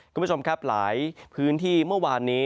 คุณผู้ชมครับหลายพื้นที่เมื่อวานนี้